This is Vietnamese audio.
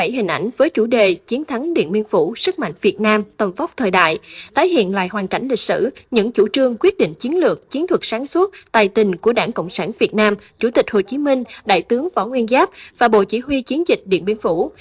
ban tổ chức trưng bày chín mươi bảy hình ảnh với chủ đề chiến thắng địa biên phủ sức mạnh việt nam tầm vóc thời đại tại hiện lại hoàn cảnh lịch sử những chủ trương quyết định chiến lược chiến thuật sáng suốt tài tình của đảng cộng sản việt nam chủ tịch hồ chí minh đại tướng võ nguyên giáp và bộ chỉ huy chiến dịch địa biên phủ